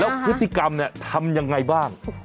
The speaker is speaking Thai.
แล้วพฤติกรรมเนี่ยทำยังไงบ้าง